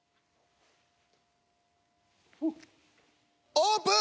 オープン！